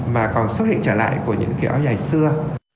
mà còn xuất hiện trở lại của những cái áo dài xưa